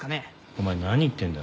お前何言ってんだ？